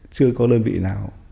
chưa có đơn vị nào